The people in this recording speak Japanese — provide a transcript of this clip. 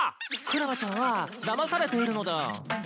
クラマちゃんはだまされているのだ。